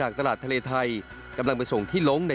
ด้านหน้าถูกชนพังเสียหาย